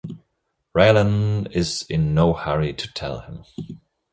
Raylan is in no hurry to tell him.